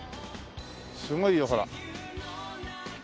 すごいよほら。